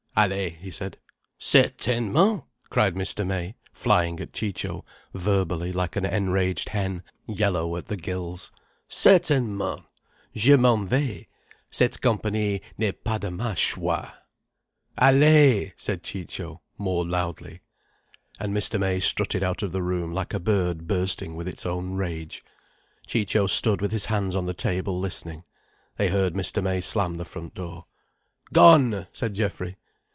"Allez!" he said. "Certainement!" cried Mr. May, flying at Ciccio, verbally, like an enraged hen yellow at the gills. "Certainement! Je m'en vais. Cette compagnie n'est pas de ma choix." "Allez!" said Ciccio, more loudly. And Mr. May strutted out of the room like a bird bursting with its own rage. Ciccio stood with his hands on the table, listening. They heard Mr. May slam the front door. "Gone!" said Geoffrey.